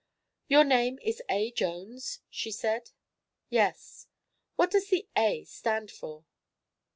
"Your name is A. Jones?" she aid. "Yes." "What does the 'A' stand for?"